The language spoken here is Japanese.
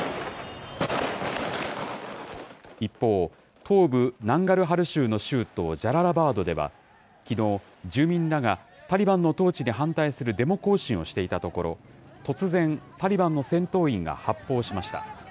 一方、東部ナンガルハル州の州都ジャララバードでは、きのう、住民らがタリバンの統治に反対するデモ行進をしていたところ、突然、タリバンの戦闘員が発砲しました。